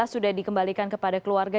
enam belas sudah dikembalikan kepada keluarga